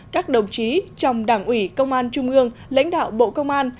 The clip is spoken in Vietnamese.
các đồng chí trong đảng ủy công an trung ương lãnh đạo bộ công an